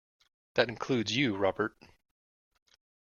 That includes you, Robert.